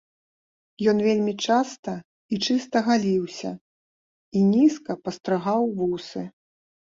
Ён вельмі часта і чыста галіўся і нізка падстрыгаў вусы.